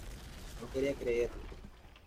No quería creerlo".